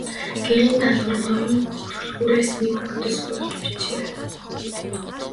Гэрийн даалгаварт Оюун түлхүүрээс нэг хуудас хуулж бичээрэй.